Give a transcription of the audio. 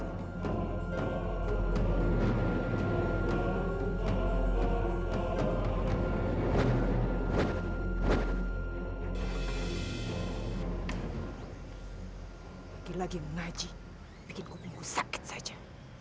lagi lagi ngaji bikin kupingku sakit saja